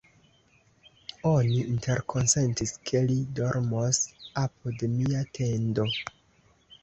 Oni interkonsentis, ke li dormos apud mia tendo.